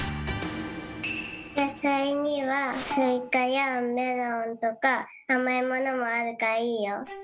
やさいにはスイカやメロンとかあまいものもあるからいいよ。